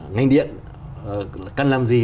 ngành điện cân làm gì